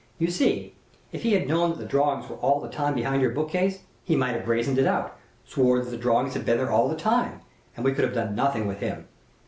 You see, if he had known that the drawings were all the time behind your book case, he might have brazened it out, sworn that the drawings had been there all the time, and we could have done nothing with him.